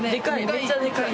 めちゃでかい！